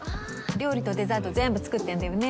料理とデザート全部作ってんだよね。